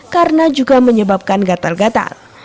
karena juga menyebabkan gatal gatal